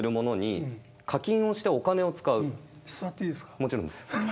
もちろんです。